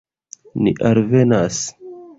Ni alvenas.